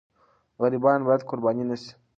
غریبان باید قرباني نه سي.